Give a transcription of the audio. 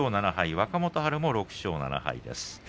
若元春も６勝７敗です。